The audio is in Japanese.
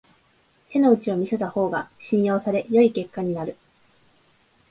手の内を見せた方が信用され良い結果になる